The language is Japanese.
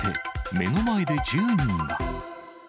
目の前で１０人が。